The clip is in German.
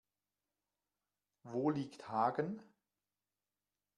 Wo liegt Hagen?